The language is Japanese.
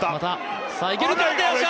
いけるか！